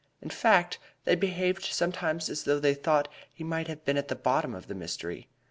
In fact, they behaved sometimes as though they thought that he might have been at the bottom of the mystery.